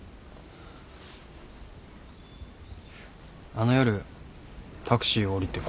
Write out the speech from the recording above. あの夜タクシーを降りてここに。